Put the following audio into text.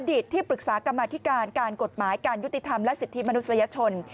ที่ปรึกษากรรมธิการการกฎหมายการยุติธรรมและสิทธิมนุษยชน